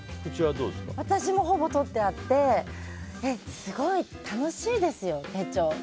私も、ほぼとってあってすごい楽しいですよ、手帳。